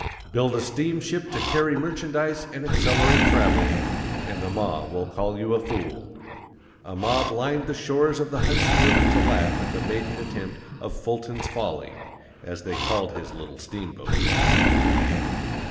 _ BUILD A STEAMSHIP TO CARRY MERCHANDISE AND ACCELERATE TRAVEL and the mob will call you a fool. A MOB LINED THE SHORES OF THE HUDSON RIVER TO LAUGH AT THE MAIDEN ATTEMPT OF "FULTON'S FOLLY," _as they called his little steamboat.